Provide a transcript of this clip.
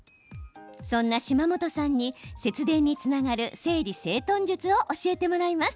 そんな島本さんに節電につながる整理整頓術を教えてもらいます。